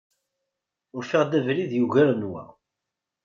Ufiɣ-d abrid yugaren wa.